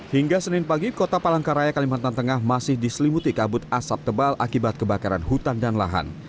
hingga senin pagi kota palangkaraya kalimantan tengah masih diselimuti kabut asap tebal akibat kebakaran hutan dan lahan